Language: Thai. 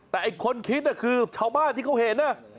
แต่ไอ้คนคิดคือชาวบ้านที่เขาเห็น